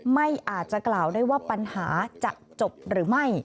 ไม่อาจจะกล่าวได้ว่าปัญหาจะจบหรือไม่